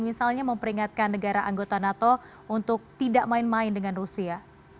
misalnya memperingatkan negara anggota nato untuk tidak main main dengan rusia